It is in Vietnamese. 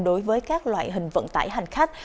đối với các loại hình vận tải hành khách